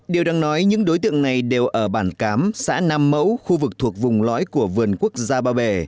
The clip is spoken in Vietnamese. điều đáng nói những đối tượng này đều ở bản cám xã nam mẫu khu vực thuộc vùng lõi của vườn quốc gia ba bể